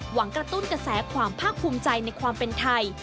กระตุ้นกระแสความภาคภูมิใจในความเป็นไทย